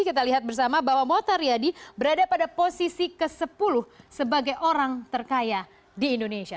kita lihat bersama bahwa mohtar yadi berada pada posisi ke sepuluh sebagai orang terkaya di indonesia